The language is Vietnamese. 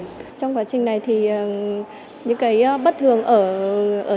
trong quá trình này thì những cái bất thường ở